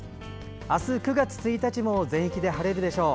明日９月１日も全域で晴れるでしょう。